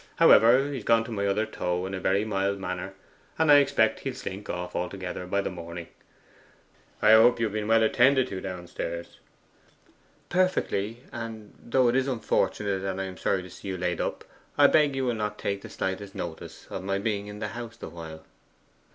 However, he's gone to my other toe in a very mild manner, and I expect he'll slink off altogether by the morning. I hope you have been well attended to downstairs?' 'Perfectly. And though it is unfortunate, and I am sorry to see you laid up, I beg you will not take the slightest notice of my being in the house the while.